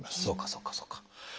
そうかそうかそうか。